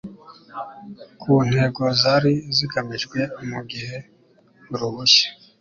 ku ntego zari zigamijwe mu gihe uruhushya